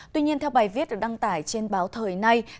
tuy nhiên theo bài viết được đăng tải trên báo thời nay